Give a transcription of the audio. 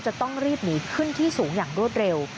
จะต้องรีบหนีขึ้นที่สูงอย่างรวดเร็ว